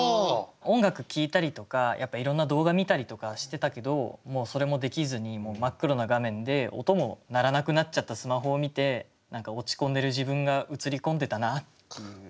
音楽聴いたりとかいろんな動画見たりとかしてたけどもうそれもできずに真っ黒な画面で音も鳴らなくなっちゃったスマホを見て何か落ち込んでる自分が映り込んでたなっていう。